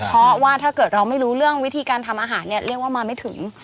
เพราะว่าถ้าเกิดเราไม่รู้เรื่องวิธีการทำอาหารเนี่ยเรียกว่ามาไม่ถึง